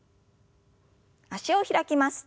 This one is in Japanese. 脚を開きます。